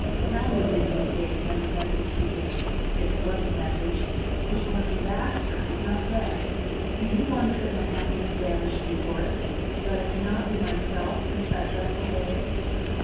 Hell was in his gaze and the message he gave, if it was a message, was one of disaster, if not death. Do you wonder that my happiness vanished before it? That I can not be myself since that dreadful day?"